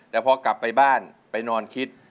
แต่พอกลับไปบ้านไปนอนคิด